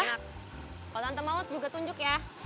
kalau tante mau juga tunjuk ya